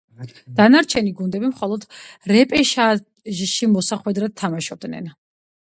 დანარჩენი გუნდები მხოლოდ რეპეშაჟში მოსახვედრად თამაშობდნენ.